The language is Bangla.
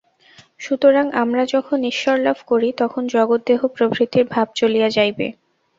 সুতরাং আমরা যখন ঈশ্বরলাভ করি, তখন জগৎ দেহ প্রভৃতির ভাব চলিয়া যাইবে।